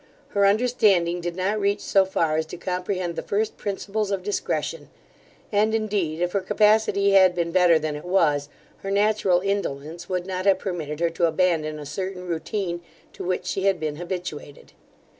Her understanding did not reach so far as to comprehend the first principles of discretion; and, indeed, if her capacity had been better than it was, her natural indolence would not have permitted her to abandon a certain routine, to which she had been habituated.